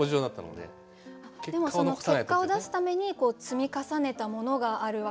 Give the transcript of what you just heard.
でも結果を出すために積み重ねたものがあるわけじゃないですか。